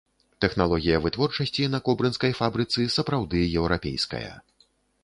Тэхналогія вытворчасці на кобрынскай фабрыцы сапраўды еўрапейская.